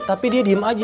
tapi dia diem aja